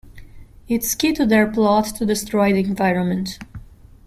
It's key to their plot to destroy the environment.